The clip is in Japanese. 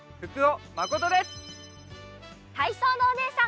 たいそうのおねえさん